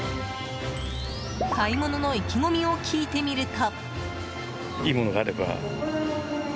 買い物の意気込みを聞いてみると。